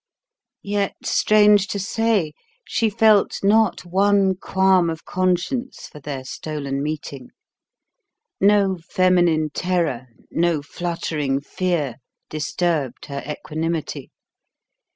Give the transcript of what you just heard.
Yet, strange to say, she felt not one qualm of conscience for their stolen meeting. No feminine terror, no fluttering fear, disturbed her equanimity.